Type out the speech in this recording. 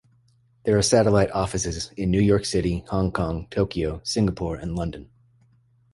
There are satellite offices in New York City, Hong Kong, Tokyo, Singapore, and London.